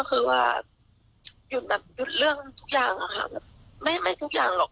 ก็คือว่าหยุดแบบหยุดเรื่องทุกอย่างอะค่ะแบบไม่ทุกอย่างหรอก